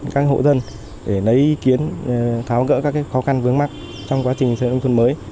các hộ dân để lấy ý kiến tháo gỡ các khó khăn vướng mắt trong quá trình xây nông thôn mới